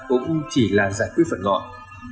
cũng chỉ là giải quyết phần ngọn